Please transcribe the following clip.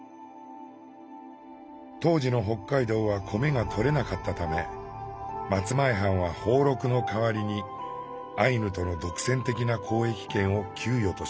当時の北海道は米がとれなかったため松前藩は俸禄の代わりにアイヌとの独占的な交易権を給与としました。